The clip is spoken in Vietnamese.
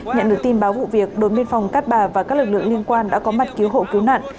nhận được tin báo vụ việc đồn biên phòng cát bà và các lực lượng liên quan đã có mặt cứu hộ cứu nạn